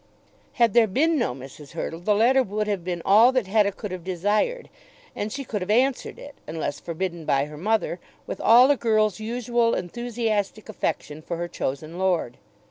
Had there been no Mrs. Hurtle, the letter would have been all that Hetta could have desired; and she could have answered it, unless forbidden by her mother, with all a girl's usual enthusiastic affection for her chosen lord.